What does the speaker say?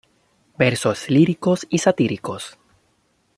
Versos líricos y satíricos.